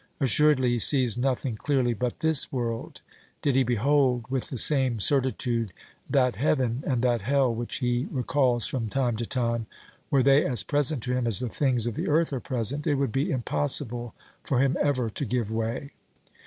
Assuredly he sees nothing clearly but this world ; did he behold with the same certitude that heaven and that hell which he recalls from time to time, were they as present to him as the things of the earth are present, it would be impossible for him ever to give way.